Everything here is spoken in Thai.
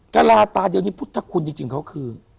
กระลาตาเดียวนี้พุทธคุณจริงเขาคือ